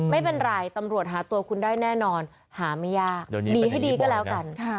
ไม่เป็นไรตำรวจหาตัวคุณได้แน่นอนหาไม่ยากหนีให้ดีก็แล้วกัน